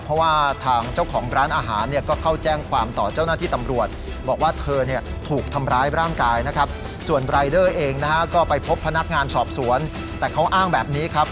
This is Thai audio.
ส่วนรายเดอร์เองนะฮะก็ไปพบพนักงานสอบสวนแต่เขาอ้างแบบนี้ครับ